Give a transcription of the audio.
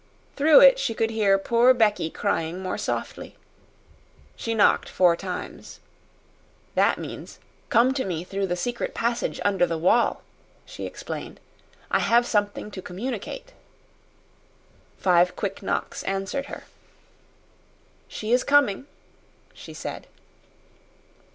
Through it she could hear poor Becky crying more softly. She knocked four times. "That means, 'Come to me through the secret passage under the wall,' she explained. 'I have something to communicate.'" Five quick knocks answered her. "She is coming," she said.